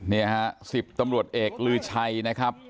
นี่ฮะ๑๐ตำรวจเอกลือชัยนะครับ